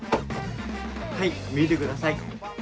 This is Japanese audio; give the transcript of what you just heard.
はい見てください